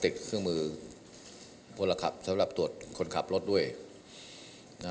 เครื่องมือพลขับสำหรับตรวจคนขับรถด้วยนะ